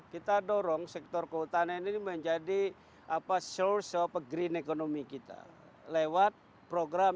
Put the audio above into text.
kita dorong sektor kehutanan ini menjadi apa source of agreen economy kita lewat program